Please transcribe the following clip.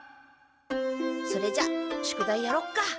それじゃ宿題やろっか。